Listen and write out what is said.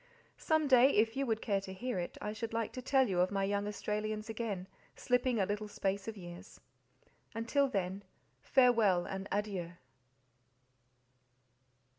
Some day, if you would care to hear it, I should like to tell you of my young Australians again, slipping a little space of years. Until then, farewell and adieu.